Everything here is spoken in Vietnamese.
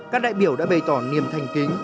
các đại biểu đã bày tỏ niềm thành kính